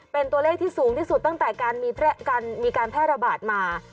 เป็นตัวเลขที่สูงที่สุดตั้งแต่การมีการแพร่ระบาดมา